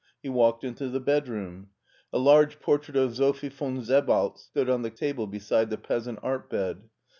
He walked into the bedroom. A large portrait of Sophie von Sebaltz stood on the taWe beside the peasant art bed.